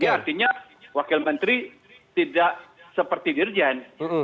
ya artinya wakil menteri tidak seperti dirjen